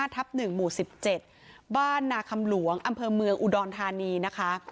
สองหนึ่งห้าทับหนึ่งหมู่สิบเจ็ดบ้านนาคมหลวงอำเภอเมืองอุดรธานีนะคะ